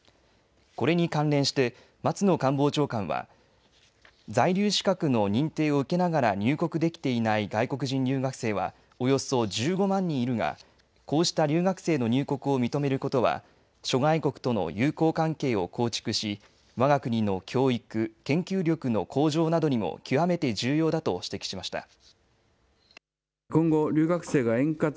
これに関連して松野官房長官は在留資格の認定を受けながら入国できていない外国人留学生はおよそ１５万人いるがこうした留学生の入国を認めることは諸外国との友好関係を構築し、わが国の教育、研究力の向上などにも極めて重要だと指摘しました。